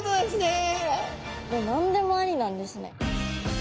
もう何でもありなんですね。